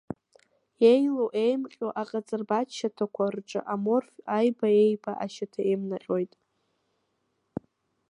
Иеилоу иеимҟьо аҟаҵарбатә шьаҭақәа рҿы аморф аиба еиба ашьаҭа еимнаҟьоит…